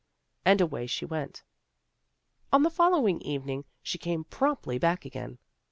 And away she went. On the following evening she came promptly back again.